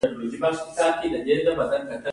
حکومت په ټولنه کې د دولت پالیسي تطبیقوي.